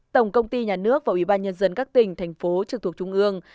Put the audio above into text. tổng công ty nhà nước và ubnd các tỉnh thành phố trực thuộc trung ương